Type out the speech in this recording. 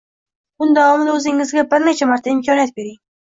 Kun davomida o’zingizga bir necha marta imkoniyat bering.